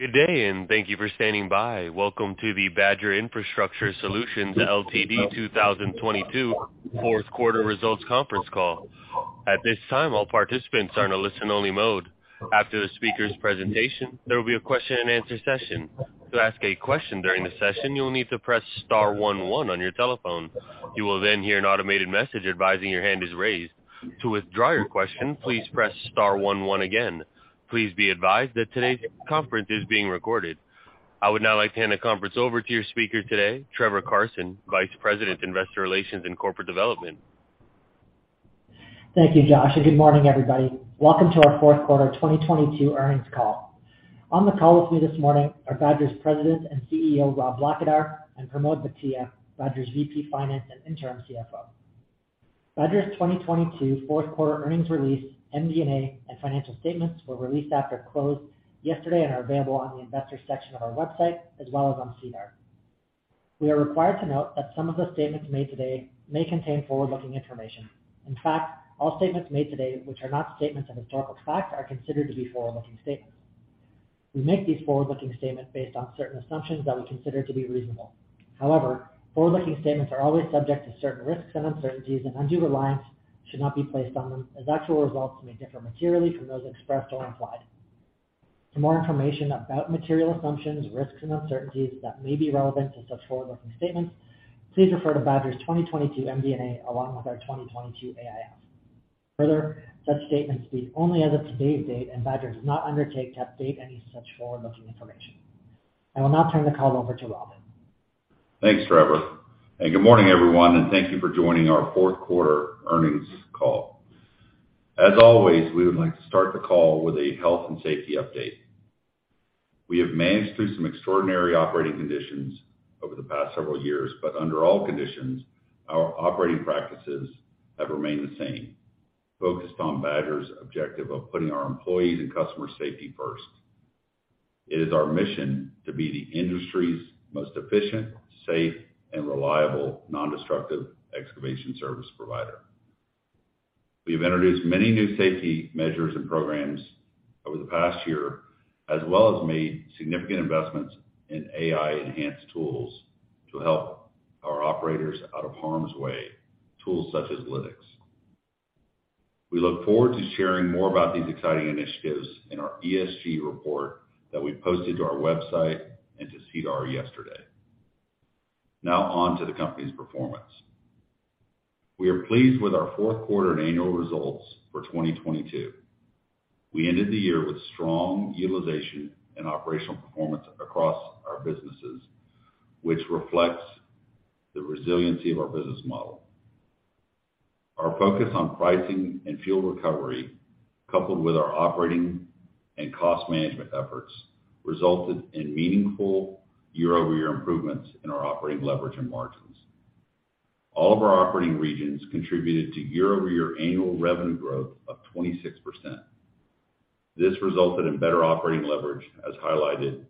Good day, and thank you for standing by. Welcome to the Badger Infrastructure Solutions Ltd. 2022 fourth quarter results conference call. At this time, all participants are in a listen-only mode. After the speaker's presentation, there will be a question-and-answer session. To ask a question during the session, you will need to press star, one, one on your telephone. You will then hear an automated message advising your hand is raised. To withdraw your question, please press star, one, one again. Please be advised that today's conference is being recorded. I would now like to hand the conference over to your speaker today, Trevor Carson, Vice President, Investor Relations and Corporate Development. Thank you, Josh. Good morning, everybody. Welcome to our fourth quarter 2022 earnings call. On the call with me this morning are Badger's President and CEO, Rob Blackadar, and Pramod Bhatia, Badger's VP Finance and Interim CFO. Badger's 2022 fourth quarter earnings release, MD&A, and financial statements were released after close yesterday and are available on the investor section of our website as well as on SEDAR. We are required to note that some of the statements made today may contain forward-looking information. In fact, all statements made today, which are not statements of historical fact, are considered to be forward-looking statements. We make these forward-looking statements based on certain assumptions that we consider to be reasonable. Forward-looking statements are always subject to certain risks and uncertainties and undue reliance should not be placed on them as actual results may differ materially from those expressed or implied. For more information about material assumptions, risks, and uncertainties that may be relevant to such forward-looking statements, please refer to Badger's 2022 MD&A along with our 2022 AIF. Such statements speak only as of today's date, and Badger does not undertake to update any such forward-looking information. I will now turn the call over to Rob. Thanks, Trevor, and good morning, everyone, and thank you for joining our 4th quarter earnings call. As always, we would like to start the call with a health and safety update. We have managed through some extraordinary operating conditions over the past several years, but under all conditions, our operating practices have remained the same, focused on Badger's objective of putting our employees and customer safety first. It is our mission to be the industry's most efficient, safe, and reliable non-destructive excavation service provider. We have introduced many new safety measures and programs over the past year, as well as made significant investments in AI enhanced tools to help our operators out of harm's way, tools such as Lynx. We look forward to sharing more about these exciting initiatives in our ESG report that we posted to our website and to SEDAR yesterday. Now on to the company's performance. We are pleased with our fourt h quarter and annual results for 2022. We ended the year with strong utilization and operational performance across our businesses, which reflects the resiliency of our business model. Our focus on pricing and fuel recovery, coupled with our operating and cost management efforts, resulted in meaningful year-over-year improvements in our operating leverage and margins. All of our operating regions contributed to year-over-year annual revenue growth of 26%. This resulted in better operating leverage, as highlighted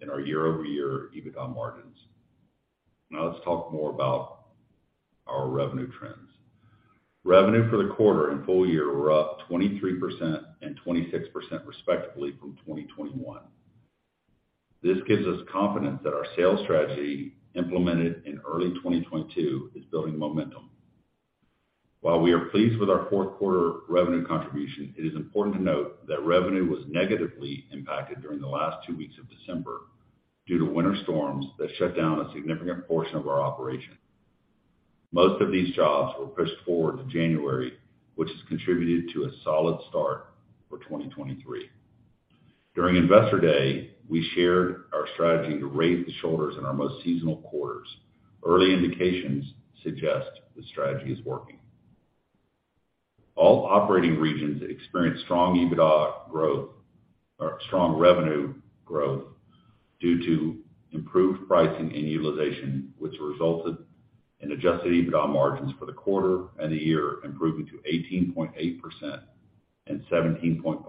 in our year-over-year EBITDA margins. Let's talk more about our revenue trends. Revenue for the quarter and full year were up 23% and 26% respectively from 2021. This gives us confidence that our sales strategy implemented in early 2022 is building momentum. While we are pleased with our fourth quarter revenue contribution, it is important to note that revenue was negatively impacted during the last 2 weeks of December due to winter storms that shut down a significant portion of our operation. Most of these jobs were pushed forward to January, which has contributed to a solid start for 2023. During Investor Day, we shared our strategy to raise the shoulders in our most seasonal quarters. Early indications suggest the strategy is working. All operating regions experienced strong EBITDA growth or strong revenue growth due to improved pricing and utilization, which resulted in adjusted EBITDA margins for the quarter and the year improving to 18.8% and 17.5%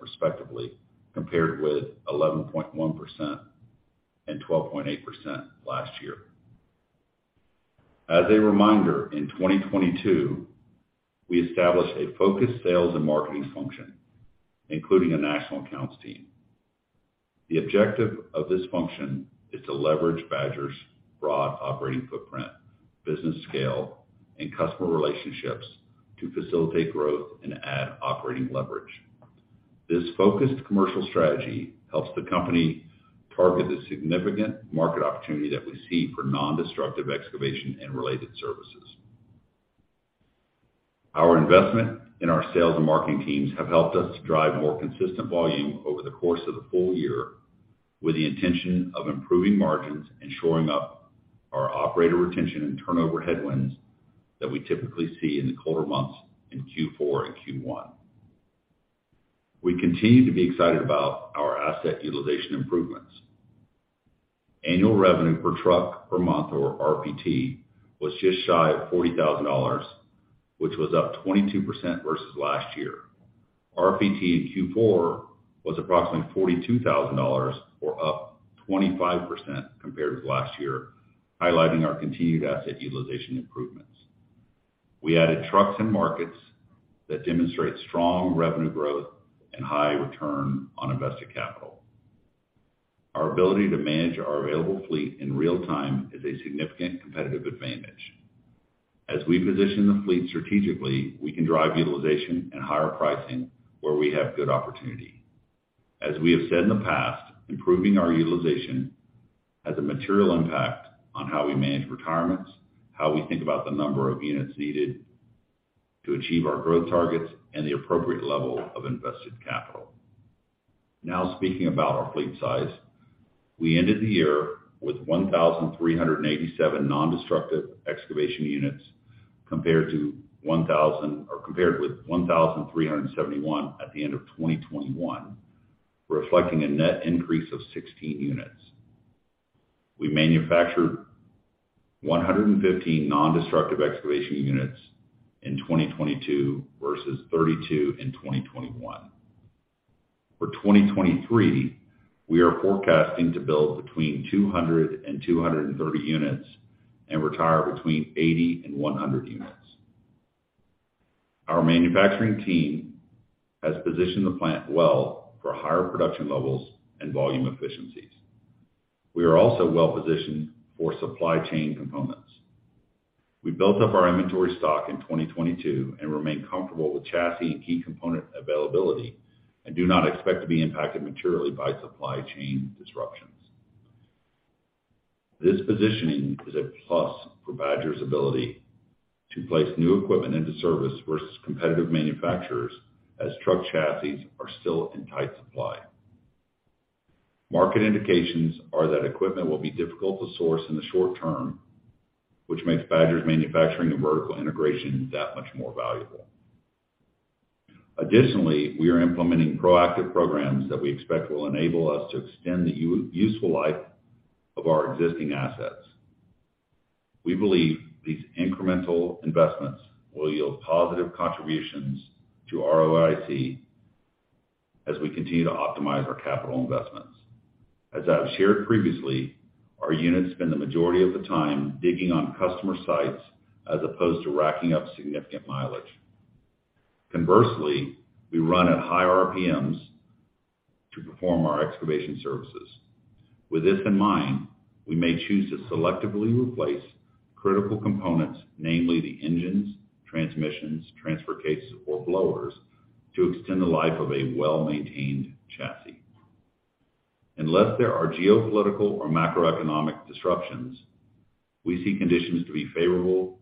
respectively, compared with 11.1% and 12.8% last year. As a reminder, in 2022, we established a focused sales and marketing function, including a national accounts team. The objective of this function is to leverage Badger's broad operating footprint, business scale, and customer relationships to facilitate growth and add operating leverage. This focused commercial strategy helps the company target the significant market opportunity that we see for non-destructive excavation and related services. Our investment in our sales and marketing teams have helped us to drive more consistent volume over the course of the full year with the intention of improving margins and shoring up our operator retention and turnover headwinds that we typically see in the colder months in Q4 and Q1. We continue to be excited about our asset utilization improvements. Annual revenue per truck per month or RPT was just shy of 40,000 dollars, which was up 22% versus last year. RPT in Q4 was approximately 42,000 dollars or up 25% compared to last year, highlighting our continued asset utilization improvements. We added trucks and markets that demonstrate strong revenue growth and high return on invested capital. Our ability to manage our available fleet in real time is a significant competitive advantage. As we position the fleet strategically, we can drive utilization and higher pricing where we have good opportunity. As we have said in the past, improving our utilization has a material impact on how we manage retirements, how we think about the number of units needed to achieve our growth targets, and the appropriate level of invested capital. Speaking about our fleet size, we ended the year with 1,387 non-destructive excavation units, compared with 1,371 at the end of 2021, reflecting a net increase of 16 units. We manufactured 115 non-destructive excavation units in 2022 versus 32 in 2021. For 2023, we are forecasting to build between 200 and 230 units and retire between 80 and 100 units. Our manufacturing team has positioned the plant well for higher production levels and volume efficiencies. We are also well positioned for supply chain components. We built up our inventory stock in 2022, and remain comfortable with chassis and key component availability, and do not expect to be impacted materially by supply chain disruptions. This positioning is a plus for Badger's ability to place new equipment into service versus competitive manufacturers as truck chassis are still in tight supply. Market indications are that equipment will be difficult to source in the short term, which makes Badger's manufacturing and vertical integration that much more valuable. Additionally, we are implementing proactive programs that we expect will enable us to extend the useful life of our existing assets. We believe these incremental investments will yield positive contributions to ROIC as we continue to optimize our capital investments. As I've shared previously, our units spend the majority of the time digging on customer sites as opposed to racking up significant mileage. Conversely, we run at high RPMs to perform our excavation services. With this in mind, we may choose to selectively replace critical components, namely the engines, transmissions, transfer cases or blowers, to extend the life of a well-maintained chassis. Unless there are geopolitical or macroeconomic disruptions, we see conditions to be favorable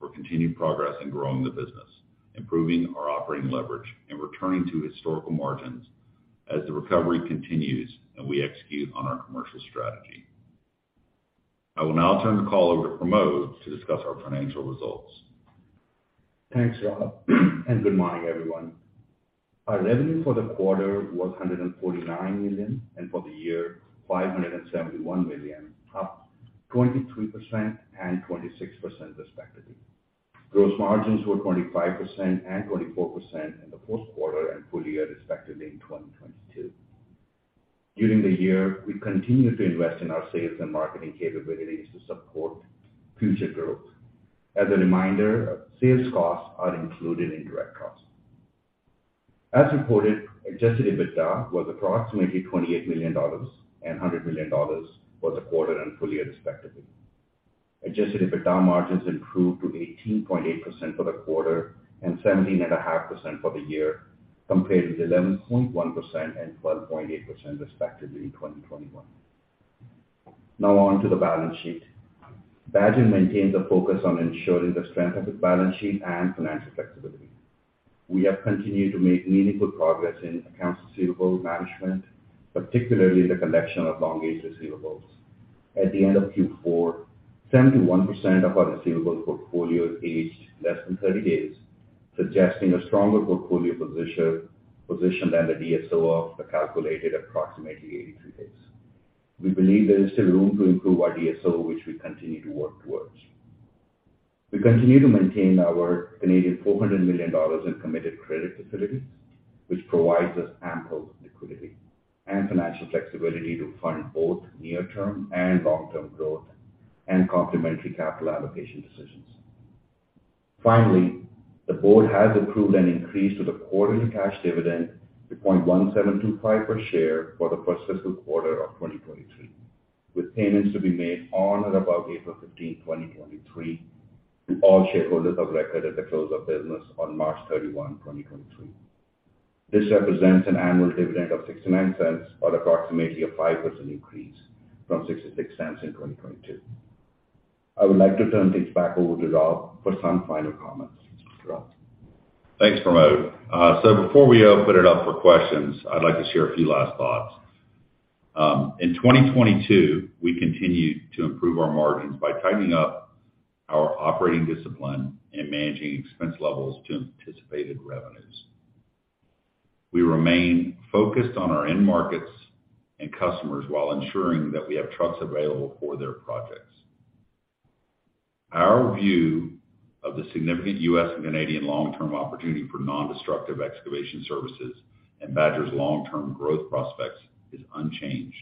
for continued progress in growing the business, improving our operating leverage, and returning to historical margins as the recovery continues and we execute on our commercial strategy. I will now turn the call over to Pramod to discuss our financial results. Thanks, Rob, and good morning, everyone. Our revenue for the quarter was 149 million, and for the year, 571 million, up 23% and 26% respectively. Gross margins were 25% and 24% in the fourth quarter and full year respectively in 2022. During the year, we continued to invest in our sales and marketing capabilities to support future growth. As a reminder, sales costs are included in direct costs. As reported, Adjusted EBITDA was approximately 28 million dollars and 100 million dollars for the quarter and full year respectively. Adjusted EBITDA margins improved to 18.8% for the quarter and 17.5% for the year, compared with 11.1% and 12.8% respectively in 2021. On to the balance sheet. Badger maintains a focus on ensuring the strength of its balance sheet and financial flexibility. We have continued to make meaningful progress in accounts receivable management, particularly the collection of long-age receivables. At the end of Q4, 71% of our receivable portfolio is aged less than 30 days, suggesting a stronger portfolio position than the DSO of the calculated approximately 83 days. We believe there is still room to improve our DSO, which we continue to work towards. We continue to maintain our Canadian 400 million Canadian dollars in committed credit facilities, which provides us ample liquidity and financial flexibility to fund both near-term and long-term growth and complementary capital allocation decisions. Finally, the board has approved an increase to the quarterly cash dividend to 0.1725 per share for the first fiscal quarter of 2023, with payments to be made on or above April 15, 2023 to all shareholders of record at the close of business on March 31, 2023. This represents an annual dividend of 0.69 or approximately a 5% increase from 0.66 in 2022. I would like to turn things back over to Rob for some final comments. Rob? Thanks, Pramod. Before we open it up for questions, I'd like to share a few last thoughts. In 2022, we continued to improve our margins by tightening up our operating discipline and managing expense levels to anticipated revenues. We remain focused on our end markets and customers while ensuring that we have trucks available for their projects. Our view of the significant U.S. and Canadian long-term opportunity for non-destructive excavation services and Badger's long-term growth prospects is unchanged.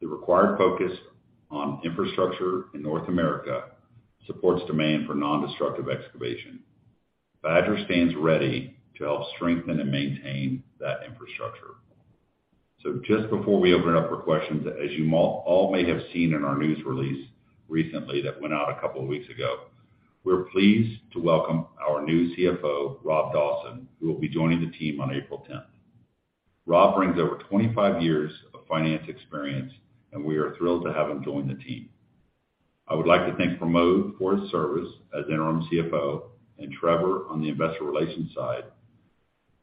The required focus on infrastructure in North America supports demand for non-destructive excavation. Badger stands ready to help strengthen and maintain that infrastructure. Just before we open it up for questions, as you all may have seen in our news release recently that went out a couple of weeks ago, we're pleased to welcome our new CFO, Rob Dawson, who will be joining the team on April tenth. Rob brings over 25 years of finance experience, and we are thrilled to have him join the team. I would like to thank Pramod for his service as interim CFO and Trevor on the investor relations side,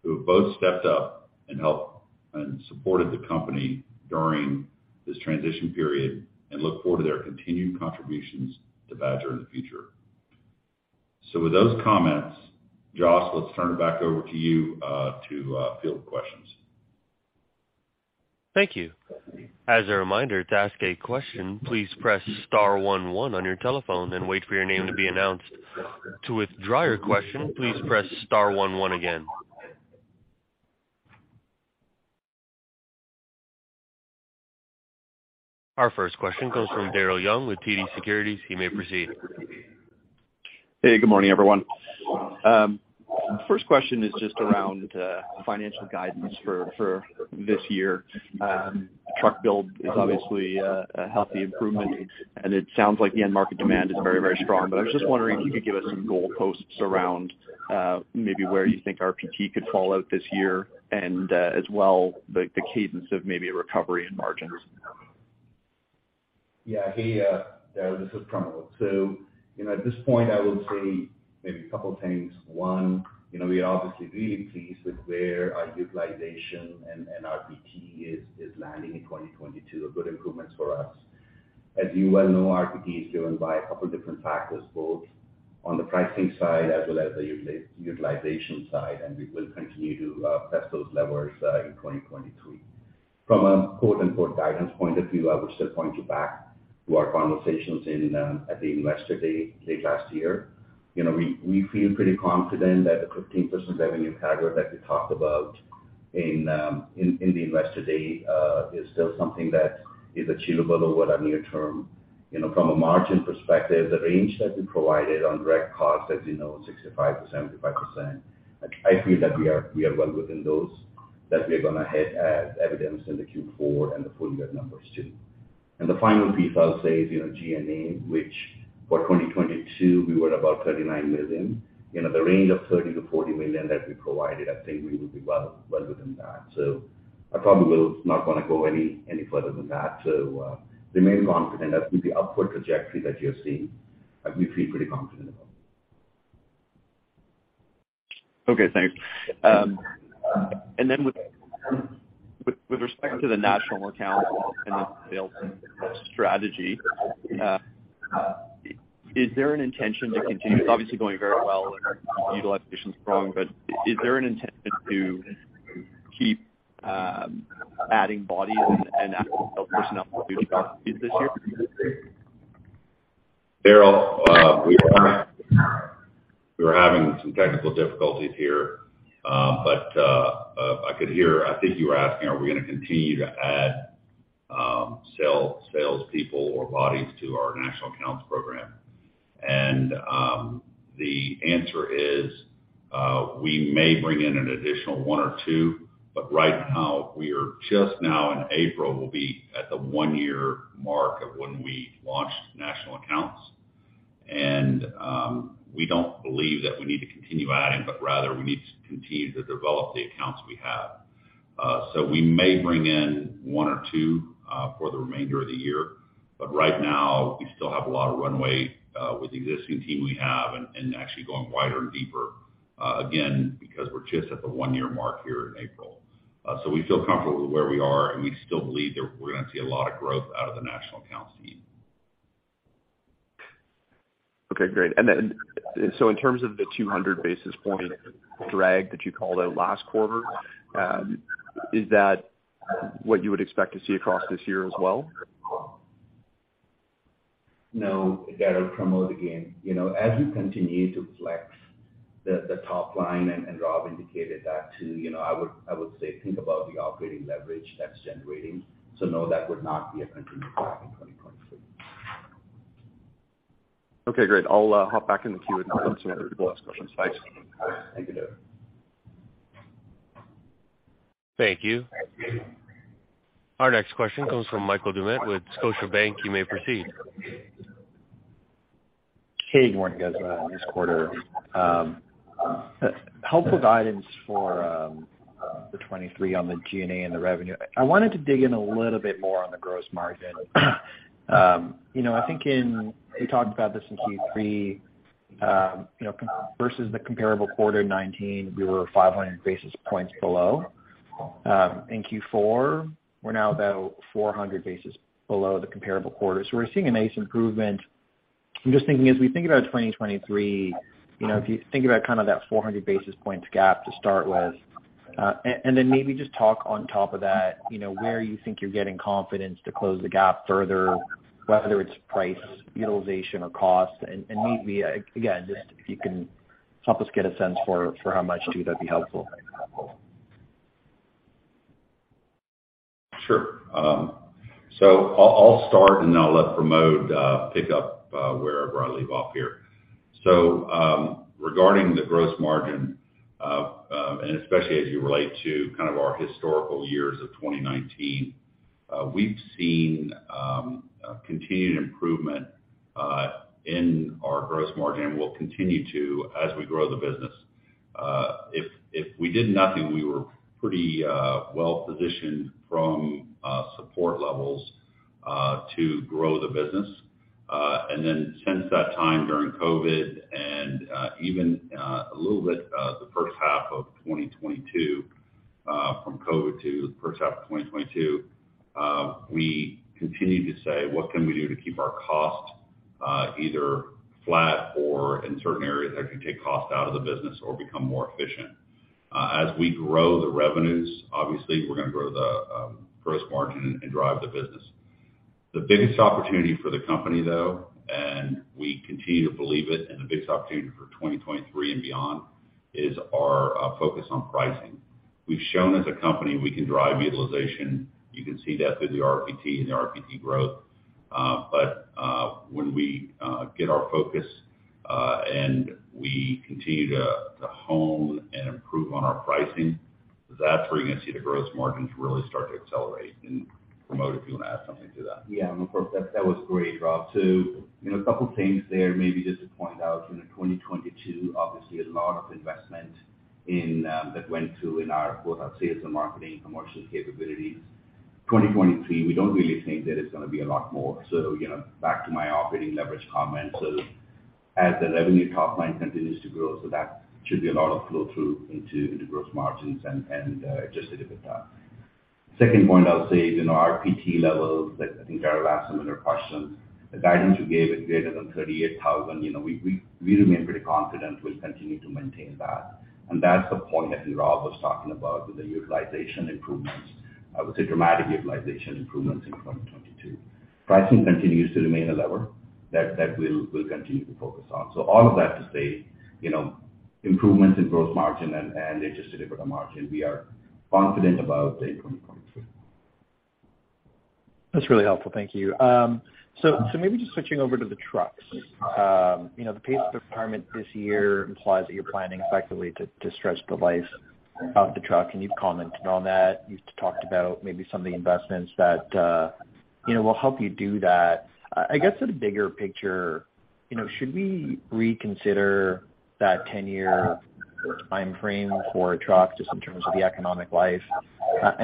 who have both stepped up and helped and supported the company during this transition period and look forward to their continued contributions to Badger in the future. With those comments, Josh, let's turn it back over to you to field the questions. Thank you. As a reminder, to ask a question, please press star, one, one on your telephone and wait for your name to be announced. To withdraw your question, please press star, one, one again. Our first question comes from Daryl Young with TD Securities. You may proceed. Hey, good morning, everyone. First question is just around financial guidance for this year. Truck build is obviously a healthy improvement, and it sounds like the end market demand is very, very strong. I was just wondering if you could give us some goalposts around maybe where you think RPT could fall out this year and as well, the cadence of maybe a recovery in margins. Hey, Daryl, this is Pramod. You know, at this point I would say maybe a couple of things. One, you know, we are obviously really pleased with where our utilization and RPT is landing in 2022, good improvements for us. As you well know, RPT is driven by a couple different factors, both on the pricing side as well as the utilization side, and we will continue to press those levers in 2023. From a quote, unquote "guidance point of view," I would still point you back to our conversations in at the Investor Day late last year. You know, we feel pretty confident that the 15% revenue CAGR that we talked about in the Investor Day is still something that is achievable over the near term. You know, from a margin perspective, the range that we provided on direct costs, as you know, 65%-75%, I feel that we are well within those that we are gonna hit as evidenced in the Q4 and the full year numbers too. The final piece I'll say is, you know, G&A, which for 2022 we were about 39 million. You know, the range of 30 million-40 million that we provided, I think we will be well within that. I probably will not wanna go any further than that. Remain confident that with the upward trajectory that you're seeing, we feel pretty confident about. Okay, thanks. With respect to the national accounts and the sales strategy, is there an intention to continue? It's obviously going very well and utilization is strong, but is there an intention to keep adding bodies and personnel this year? Daryl, we were having some technical difficulties here. I could hear, I think you were asking, are we gonna continue to add salespeople or bodies to our national accounts program? The answer is, we may bring in an additional one or two, but right now we are just now in April will be at the one-year mark of when we launched national accounts. We don't believe that we need to continue adding, but rather we need to continue to develop the accounts we have. We may bring in one or two for the remainder of the year. Right now, we still have a lot of runway with the existing team we have and actually going wider and deeper again, because we're just at the one-year mark here in April. We feel comfortable with where we are, and we still believe that we're gonna see a lot of growth out of the national accounts team. Okay, great. In terms of the 200 basis point drag that you called out last quarter, is that what you would expect to see across this year as well? No. Daryl, Pramod again. You know, as we continue to flex the top line, and Rob indicated that too, you know, I would, I would say think about the operating leverage that's generating. No, that would not be a continued drag in 2023. Okay, great. I'll hop back in the queue with another couple of questions. Thanks. Thank you, Daryl. Thank you. Our next question comes from Michael Doumet with Scotiabank. You may proceed. Hey, good morning, guys. On this quarter, helpful guidance for the 2023 on the G&A and the revenue. I wanted to dig in a little bit more on the gross margin. You know, I think we talked about this in Q3, you know, versus the comparable quarter 2019, we were 500 basis points below. In Q4, we're now about 400 basis below the comparable quarter. We're seeing a nice improvement. I'm just thinking as we think about 2023, you know, if you think about kind of that 400 basis points gap to start with, and then maybe just talk on top of that, you know, where you think you're getting confidence to close the gap further, whether it's price, utilization or cost. Maybe, again, just if you can help us get a sense for how much too, that'd be helpful. Sure. I'll start, and then I'll let Pramod pick up wherever I leave off here. Regarding the gross margin, and especially as you relate to kind of our historical years of 2019, we've seen continued improvement in our gross margin, and we'll continue to as we grow the business. If, if we did nothing, we were pretty well positioned from support levels to grow the business. Since that time during COVID and even a little bit the first half of 2022, from COVID to the first half of 2022, we continued to say: What can we do to keep our costs either flat or in certain areas actually take cost out of the business or become more efficient? As we grow the revenues, obviously, we're gonna grow the gross margin and drive the business. The biggest opportunity for the company, though, and we continue to believe it, and the biggest opportunity for 2023 and beyond is our focus on pricing. We've shown as a company we can drive utilization. You can see that through the RPT and the RPT growth. When we get our focus, and we continue to hone and improve on our pricing, that's where you're gonna see the gross margins really start to accelerate. Pramod, if you wanna add something to that. Yeah. No, of course. That was great, Rob. You know, a couple things there maybe just to point out. You know, 2022, obviously a lot of investment in that went to in our, both our sales and marketing commercial capabilities. 2023, we don't really think that it's gonna be a lot more. You know, back to my operating leverage comment. As the revenue top line continues to grow, that should be a lot of flow through into gross margins and adjusted EBITDA. Second point I'll say is, you know, our RPT levels that I think are last similar questions. The guidance you gave is greater than 38,000. You know, we remain pretty confident we'll continue to maintain that. That's the point, I think Rob was talking about with the utilization improvements. I would say dramatic utilization improvements in 2022. Pricing continues to remain a lever that we'll continue to focus on. All of that to say, you know, improvements in gross margin and adjusted EBITDA margin. We are confident about 2023. That's really helpful. Thank you. Maybe just switching over to the trucks. You know, the pace of retirement this year implies that you're planning effectively to stretch the life of the truck, and you've commented on that. You've talked about maybe some of the investments that, you know, will help you do that. I guess at a bigger picture, you know, should we reconsider that 10-year timeframe for a truck just in terms of the economic life?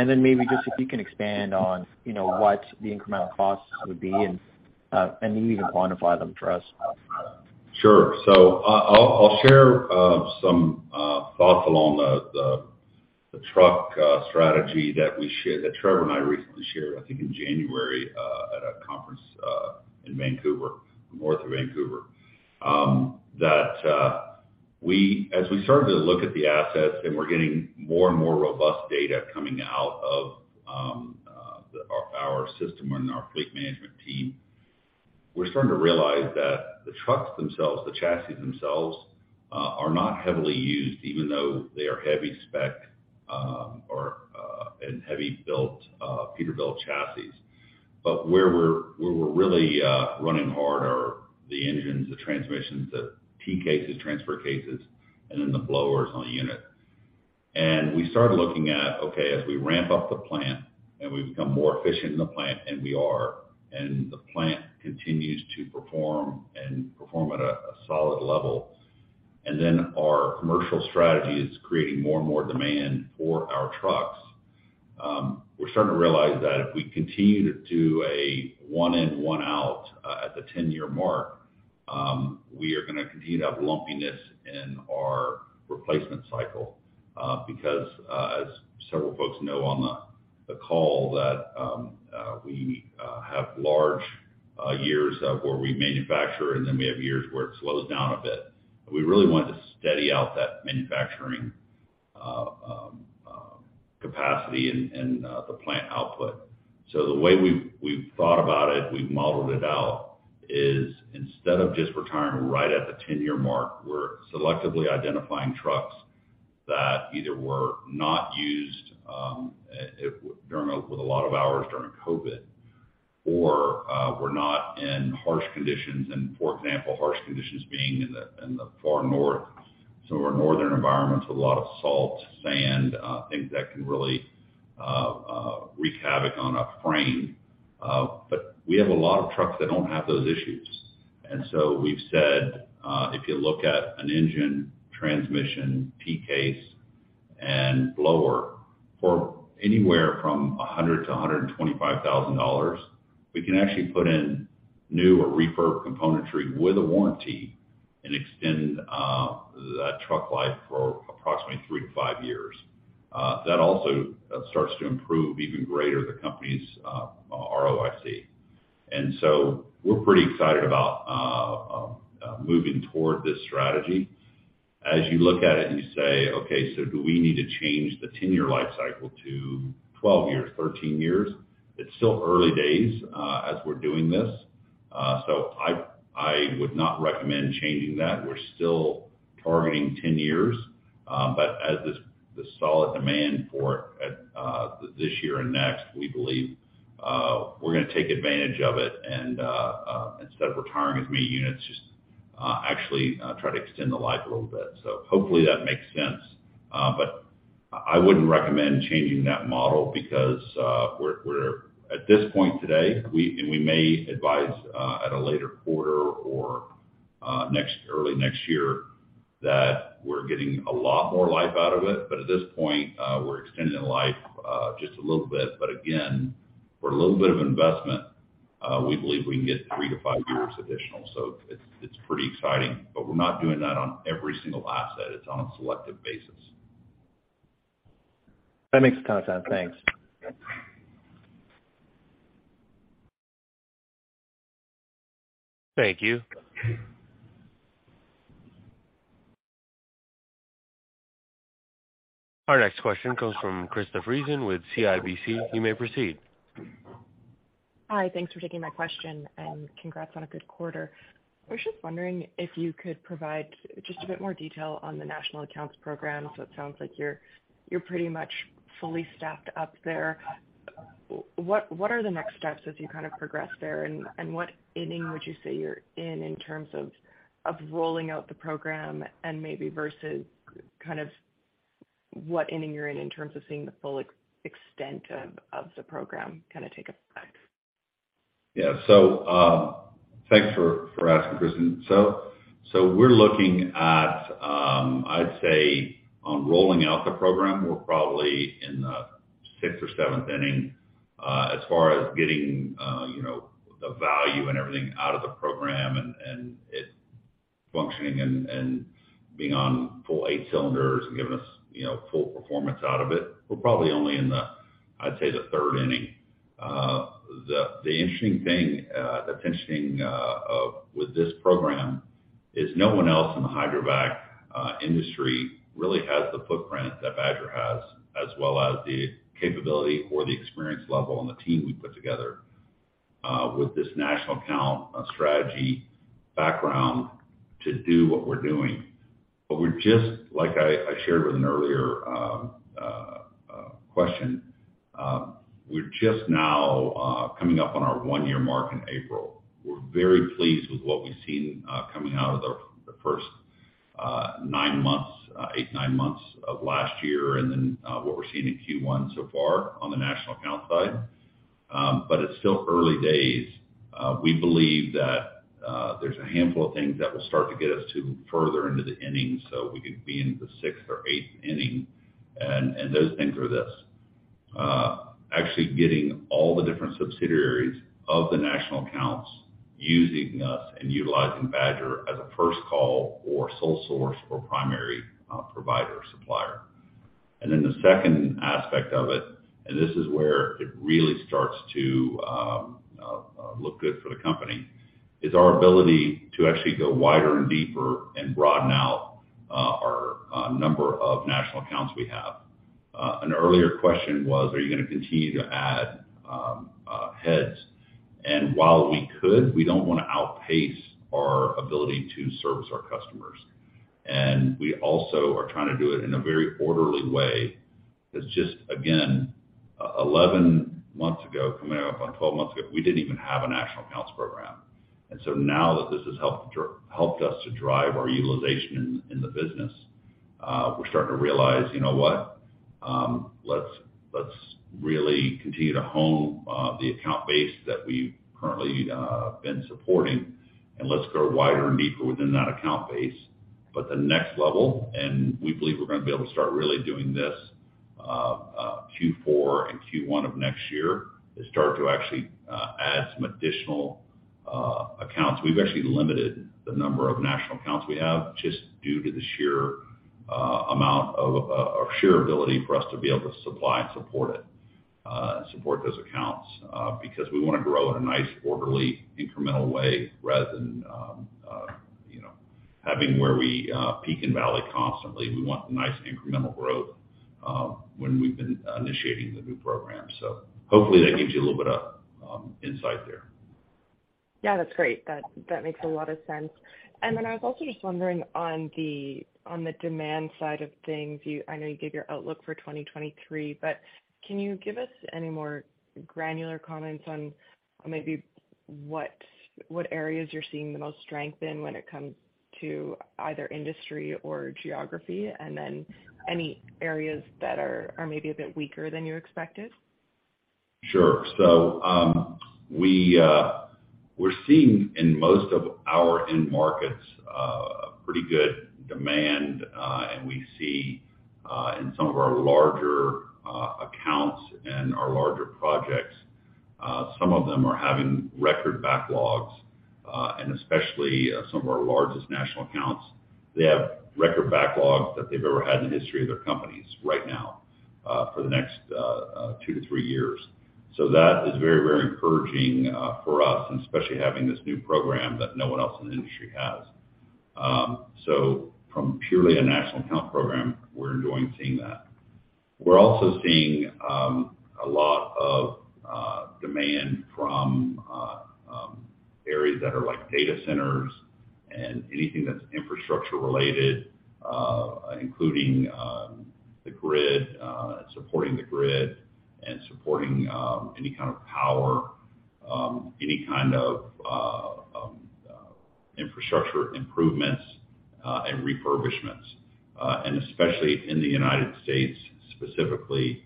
Maybe just if you can expand on, you know, what the incremental costs would be and even quantify them for us. Sure. I'll share some thoughts along the truck strategy that Trevor and I recently shared, I think in January, at a conference in Vancouver, north of Vancouver. That as we started to look at the assets, and we're getting more and more robust data coming out of our system and our fleet management team, we're starting to realize that the trucks themselves, the chassis themselves, are not heavily used even though they are heavy spec, or and heavy built Peterbilt chassis. Where we're really running hard are the engines, the transmissions, the P cases, transfer cases, and then the blowers on the unit. We started looking at, okay, as we ramp up the plant and we become more efficient in the plant, and we are, and the plant continues to perform and perform at a solid level, and then our commercial strategy is creating more and more demand for our trucks, we're starting to realize that if we continue to do a one in, one out, at the 10-year mark, we are gonna continue to have lumpiness in our replacement cycle. Because, as several folks know on the call that we have large years where we manufacture, and then we have years where it slows down a bit. We really want to steady out that manufacturing capacity and the plant output. The way we've thought about it, we've modeled it out, is instead of just retiring right at the 10-year mark, we're selectively identifying trucks that either were not used with a lot of hours during COVID or were not in harsh conditions and, for example, harsh conditions being in the, in the far north. Our northern environments, a lot of salt, sand, things that can really wreak havoc on a frame. We have a lot of trucks that don't have those issues. We've said, if you look at an engine, transmission, P case, and blower for anywhere from 100,000-125,000 dollars, we can actually put in new or refurb componentry with a warranty and extend that truck life for approximately 3-5 years. That also starts to improve even greater the company's ROIC. We're pretty excited about moving toward this strategy. As you look at it and you say, "Okay, do we need to change the 10-year life cycle to 12 years, 13 years?" It's still early days as we're doing this. I would not recommend changing that. We're still targeting 10 years. But as the solid demand for this year and next, we believe, we're going to take advantage of it and instead of retiring as many units, just actually try to extend the life a little bit. Hopefully that makes sense. I wouldn't recommend changing that model because we're at this point today, we may advise at a later quarter or early next year that we're getting a lot more life out of it. At this point, we're extending the life just a little bit. Again, for a little bit of investment, we believe we can get 3 to 5 years additional. It's pretty exciting. We're not doing that on every single asset. It's on a selective basis. That makes a ton of sense. Thanks. Thanks. Thank you. Our next question comes from Krista Friesen with CIBC. You may proceed. Hi. Thanks for taking my question and congrats on a good quarter. I was just wondering if you could provide just a bit more detail on the national accounts program. It sounds like you're pretty much fully staffed up there. What are the next steps as you kind of progress there? What inning would you say you're in terms of rolling out the program and maybe versus kind of what inning you're in terms of seeing the full extent of the program kind of take effect? Yeah. Thanks for asking, Krista. We're looking at, I'd say on rolling out the program, we're probably in the sixth or seventh inning. As far as getting, you know, the value and everything out of the program and it functioning and being on full eight cylinders and giving us, you know, full performance out of it, we're probably only in the, I'd say, the third inning. The interesting thing that's interesting with this program is no one else in the hydrovac industry really has the footprint that Badger has, as well as the capability or the experience level and the team we put together with this national account strategy background to do what we're doing. We're just like I shared with an earlier question, we're just now coming up on our one-year mark in April. We're very pleased with what we've seen coming out of the first nine months, eight, nine months of last year and then what we're seeing in Q1 so far on the national account side. It's still early days. We believe that there's a handful of things that will start to get us to further into the inning, so we could be in the sixth or eighth inning. Those things are this: actually getting all the different subsidiaries of the national accounts using us and utilizing Badger as a first call or sole source or primary provider or supplier. The second aspect of it, and this is where it really starts to look good for the company, is our ability to actually go wider and deeper and broaden out our number of national accounts we have. An earlier question was, are you gonna continue to add heads? While we could, we don't wanna outpace our ability to service our customers. We also are trying to do it in a very orderly way, 'cause just again, 11 months ago, coming up on 12 months ago, we didn't even have a national accounts program. Now that this has helped us to drive our utilization in the business, we're starting to realize, you know what? Let's really continue to hone the account base that we've currently been supporting, and let's go wider and deeper within that account base. The next level, and we believe we're gonna be able to start really doing this Q4 and Q1 of next year, is start to actually add some additional accounts. We've actually limited the number of national accounts we have just due to the sheer amount of or sheer ability for us to be able to supply and support it, support those accounts, because we wanna grow in a nice, orderly, incremental way rather than, you know, having where we peak and valley constantly. We want nice incremental growth when we've been initiating the new program. Hopefully that gives you a little bit of insight there. Yeah, that's great. That makes a lot of sense. I was also just wondering on the, on the demand side of things, I know you gave your outlook for 2023, but can you give us any more granular comments on maybe what areas you're seeing the most strength in when it comes to either industry or geography? Any areas that are maybe a bit weaker than you expected? Sure. We're seeing in most of our end markets a pretty good demand, and we see in some of our larger accounts and our larger projects, some of them are having record backlogs, and especially some of our largest national accounts. They have record backlogs that they've ever had in the history of their companies right now for the next two-three years. That is very, very encouraging for us, and especially having this new program that no one else in the industry has. From purely a national account program, we're enjoying seeing that. We're also seeing a lot of demand from areas that are like data centers and anything that's infrastructure related, including the grid, supporting the grid and supporting any kind of power, any kind of infrastructure improvements and refurbishments, and especially in the United States specifically,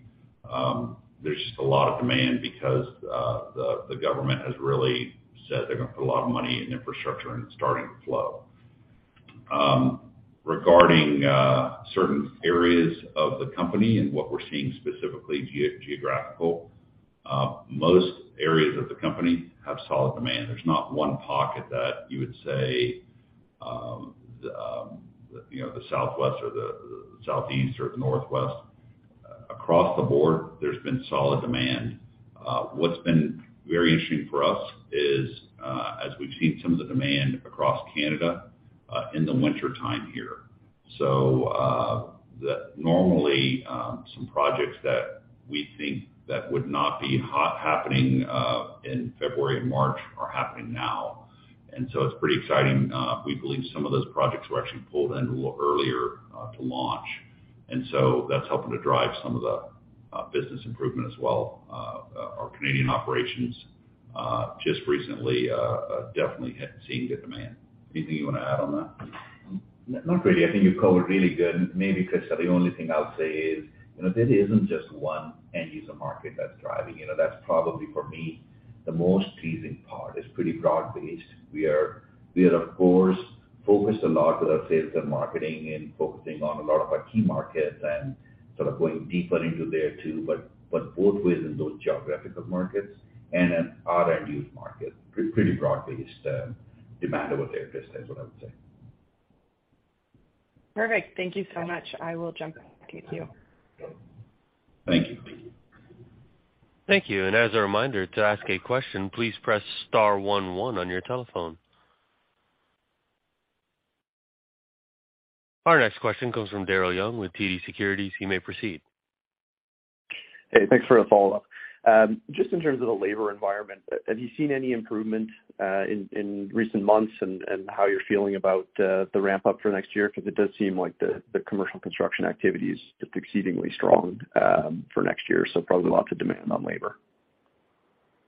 there's just a lot of demand because the government has really said they're gonna put a lot of money in infrastructure, and it's starting to flow. Regarding certain areas of the company and what we're seeing specifically geographical, most areas of the company have solid demand. There's not one pocket that you would say, you know, the Southwest or the Southeast or the Northwest. Across the board, there's been solid demand. What's been very interesting for us is, as we've seen some of the demand across Canada, in the wintertime here. Normally, some projects that we think that would not be hot happening, in February and March are happening now, it's pretty exciting. We believe some of those projects were actually pulled in a little earlier, to launch, that's helping to drive some of the business improvement as well. Our Canadian operations, just recently, definitely have seen good demand. Anything you wanna add on that? Not really. I think you've covered really good. Maybe, Kris, the only thing I'll say is, you know, this isn't just one end user market that's driving. You know, that's probably for me, the most pleasing part. It's pretty broad-based. We are of course, focused a lot with our sales and marketing and focusing on a lot of our key markets and sort of going deeper into there too, but both within those geographical markets and then other end use markets. pretty broad-based demand over there this time is what I would say. Perfect. Thank you so much. I will jump back to you. Thank you. Thank you. As a reminder, to ask a question, please press star one one on your telephone. Our next question comes from Daryl Young with TD Securities. You may proceed. Hey, thanks for the follow-up. just in terms of the labor environment, have you seen any improvement in recent months, and how you're feeling about the ramp up for next year? 'Cause it does seem like the commercial construction activity is just exceedingly strong for next year, so probably lots of demand on labor.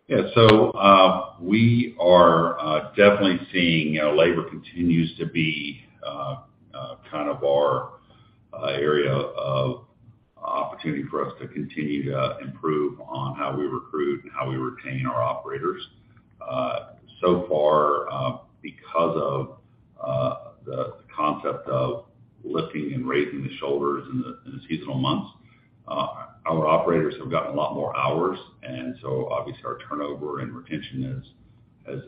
Yeah. We are definitely seeing, you know, labor continues to be kind of our area of opportunity for us to continue to improve on how we recruit and how we retain our operators. So far, because of the concept of lifting and raising the shoulders in the seasonal months, our operators have gotten a lot more hours, and so obviously our turnover and retention has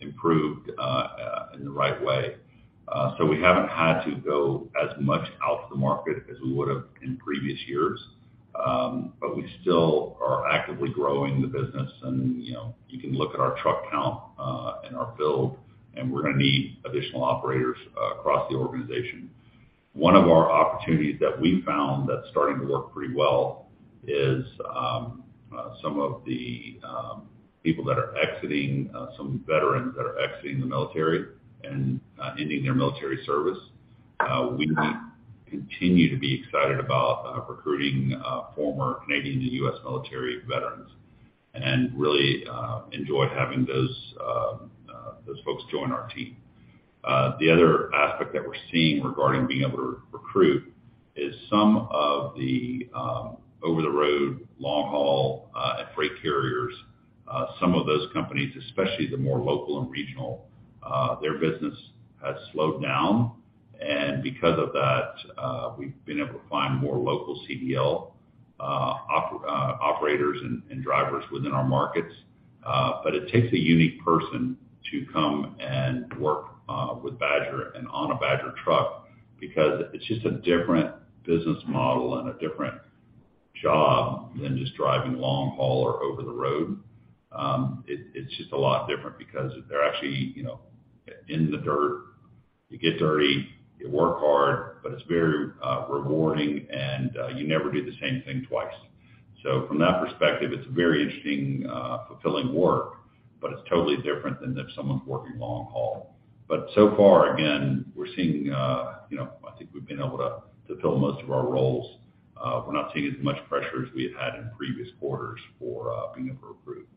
improved in the right way. We haven't had to go as much out to the market as we would have in previous years. We still are actively growing the business, and, you know, you can look at our truck count and our build, and we're gonna need additional operators across the organization. One of our opportunities that we found that's starting to work pretty well is some of the people that are exiting, some veterans that are exiting the military and ending their military service. We will continue to be excited about recruiting former Canadian and U.S. military veterans and really enjoy having those those folks join our team. The other aspect that we're seeing regarding being able to recruit is some of the over-the-road long haul and freight carriers, some of those companies, especially the more local and regional, their business has slowed down, and because of that, we've been able to find more local CDL operators and drivers within our markets. It takes a unique person to come and work with Badger and on a Badger truck because it's just a different business model and a different job than just driving long haul or over the road. It's just a lot different because they're actually, you know, in the dirt. You get dirty, you work hard, but it's very rewarding, and you never do the same thing twice. From that perspective, it's very interesting, fulfilling work, but it's totally different than if someone's working long haul. So far, again, we're seeing, you know, I think we've been able to fill most of our roles. We're not seeing as much pressure as we have had in previous quarters for being able to recruit.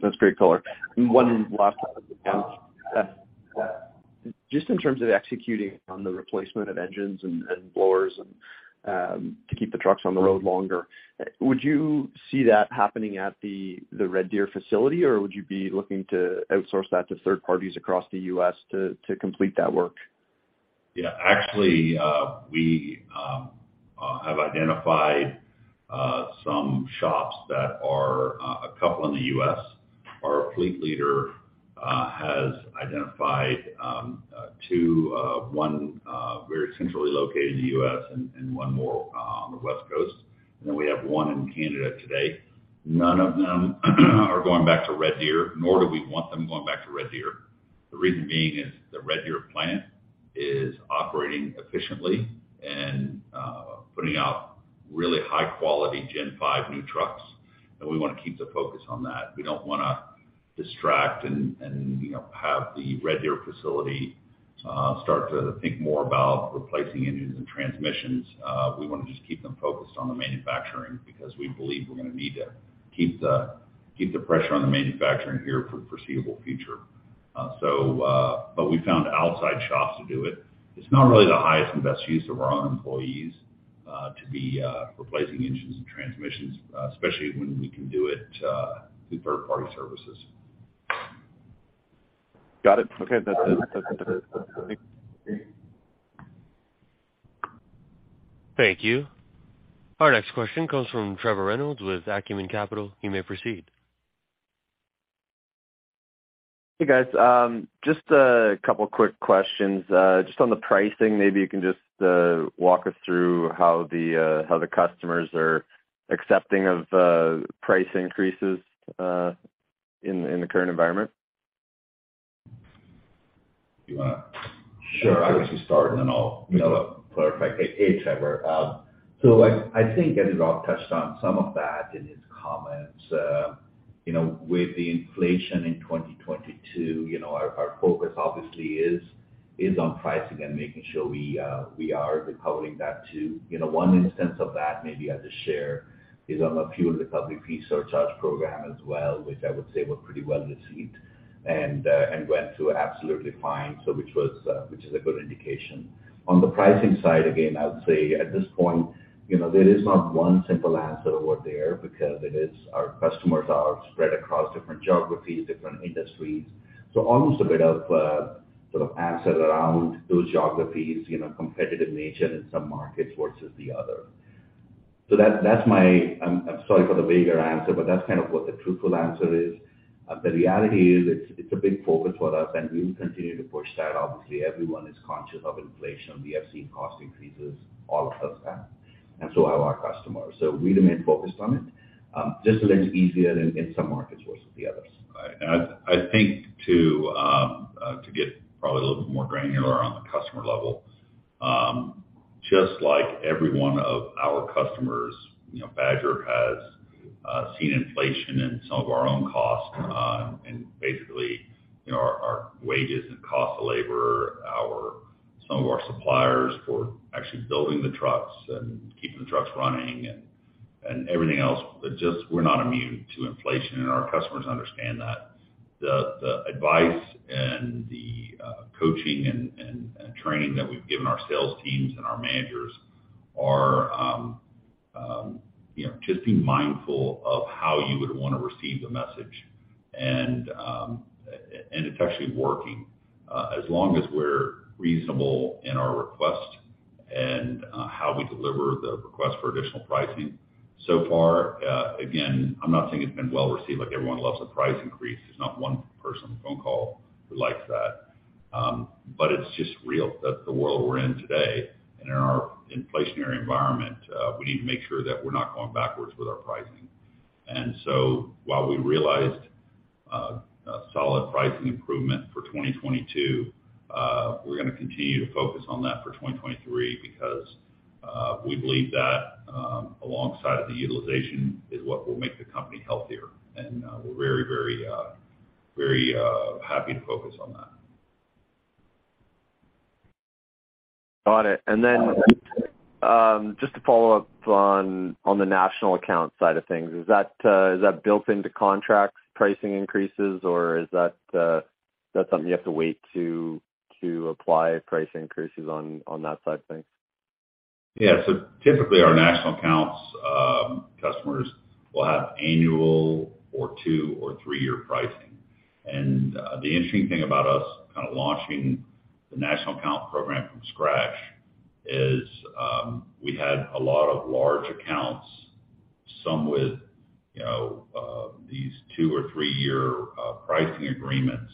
That's great color. One last Just in terms of executing on the replacement of engines and blowers to keep the trucks on the road longer, would you see that happening at the Red Deer facility, or would you be looking to outsource that to third parties across the U.S. to complete that work? Yeah. Actually, we have identified some shops that are a couple in the U.S.. Our fleet leader has identified two, one very centrally located in the U.S. and one more on the West Coast, and then we have one in Canada today. None of them are going back to Red Deer, nor do we want them going back to Red Deer. The reason being is the Red Deer plant is operating efficiently and putting out really high quality Gen 5 new trucks, and we want to keep the focus on that. We don't wanna distract and, you know, have the Red Deer facility start to think more about replacing engines and transmissions. We want to just keep them focused on the manufacturing because we believe we're gonna need to keep the pressure on the manufacturing here for the foreseeable future. We found outside shops to do it. It's not really the highest and best use of our own employees, to be replacing engines and transmissions, especially when we can do it through third-party services. Got it, okay. That's it. That's it. Thanks. Thank you. Our next question comes from Trevor Reynolds with Acumen Capital. You may proceed. Hey, guys. Just a couple quick questions. Just on the pricing, maybe you can just walk us through how the customers are accepting of price increases in the current environment? You wanna. Sure. Why don't you start and then I'll, you know, clarify? Take it, Trevor. I think Adit touched on some of that in his comments. You know, with the inflation in 2022, you know, our focus obviously is on pricing and making sure we are recovering that too. You know, one instance of that maybe I could share is on a few of the public fee surcharge program as well, which I would say were pretty well received and went through absolutely fine. Which was, which is a good indication. On the pricing side, again, I would say at this point, you know, there is not one simple answer over there because it is our customers are spread across different geographies, different industries. Almost a bit of, sort of answer around those geographies, you know, competitive nature in some markets versus the other. That's, that's my. I'm sorry for the vaguer answer. That's kind of what the truthful answer is. The reality is it's a big focus for us. We will continue to push that. Obviously, everyone is conscious of inflation. We have seen cost increases, all of us have. So have our customers. We remain focused on it, just a little easier in some markets versus the others. Right. I think to get probably a little bit more granular on the customer level, just like every one of our customers, you know, Badger has seen inflation in some of our own costs, basically, you know, our wages and cost of labor, some of our suppliers for actually building the trucks and keeping the trucks running and everything else. Just we're not immune to inflation, and our customers understand that. The advice and the coaching and training that we've given our sales teams and our managers are, you know, just be mindful of how you would wanna receive the message. And it's actually working as long as we're reasonable in our request and how we deliver the request for additional pricing. So far, again, I'm not saying it's been well received, like everyone loves a price increase. There's not one person on the phone call who likes that. It's just real. That's the world we're in today. In our inflationary environment, we need to make sure that we're not going backwards with our pricing. While we realized a solid pricing improvement for 2022, we're gonna continue to focus on that for 2023 because we believe that alongside of the utilization is what will make the company healthier. We're very happy to focus on that. Got it. Just to follow up on the national account side of things, is that, is that built into contracts pricing increases, or is that something you have to wait to apply price increases on that side of things? Typically our national accounts customers will have annual or two or three-year pricing. The interesting thing about us kind of launching the national account program from scratch is we had a lot of large accounts, some with, you know, these two or three-year pricing agreements.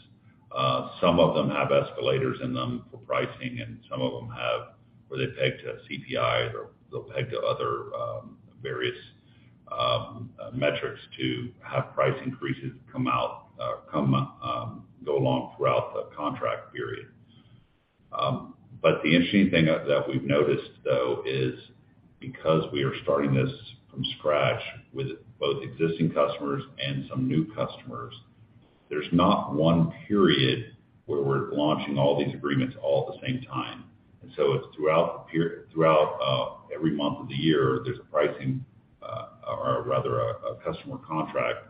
Some of them have escalators in them for pricing, and some of them have where they peg to CPI or they'll peg to other various metrics to have price increases come out, go along throughout the contract period. The interesting thing that we've noticed though is because we are starting this from scratch with both existing customers and some new customers, there's not one period where we're launching all these agreements all at the same time. It's throughout every month of the year, there's a pricing or rather a customer contract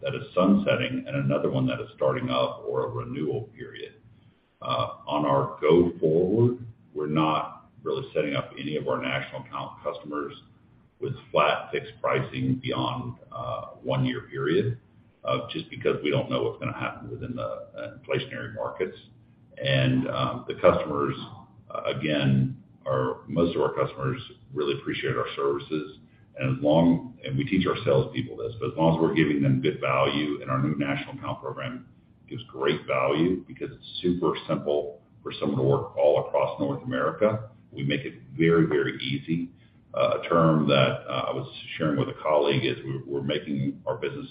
that is sunsetting and another one that is starting up or a renewal period. On our go forward, we're not really setting up any of our national account customers with flat fixed pricing beyond one-year period just because we don't know what's gonna happen within the inflationary markets. The customers, again, most of our customers really appreciate our services, we teach our salespeople this, but as long as we're giving them good value, and our new national account program gives great value because it's super simple for someone to work all across North America, we make it very, very easy. A term that I was sharing with a colleague is we're making our business,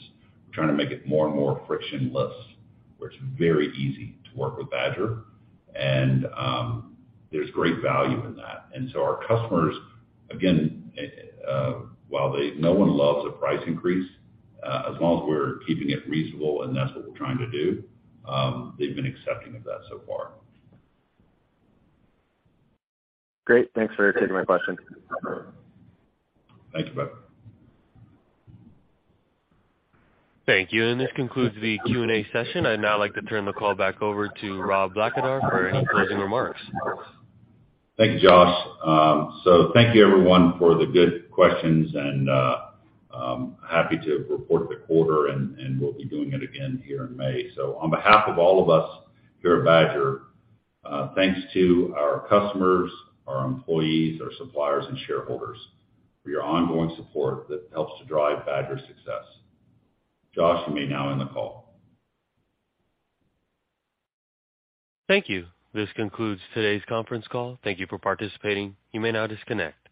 we're trying to make it more and more frictionless, where it's very easy to work with Badger and there's great value in that. Our customers, again, while they no one loves a price increase, as long as we're keeping it reasonable, and that's what we're trying to do, they've been accepting of that so far. Great. Thanks for taking my question. Thanks, Trevor. Thank you. This concludes the Q&A session. I'd now like to turn the call back over to Rob Blackadar for any closing remarks. Thank you, Josh. Thank you everyone for the good questions and happy to report the quarter and we'll be doing it again here in May. On behalf of all of us here at Badger, thanks to our customers, our employees, our suppliers and shareholders for your ongoing support that helps to drive Badger's success. Josh, you may now end the call. Thank you. This concludes today's conference call. Thank you for participating. You may now disconnect.